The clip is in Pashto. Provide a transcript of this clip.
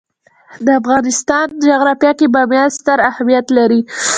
د افغانستان جغرافیه کې بامیان ستر اهمیت لري.